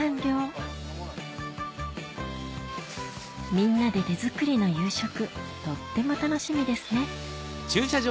みんなで手作りの夕食とっても楽しみですね